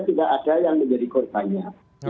tidak ada yang menjadi korbannya